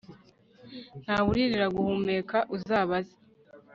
ntawuririra guhumeka uzabaze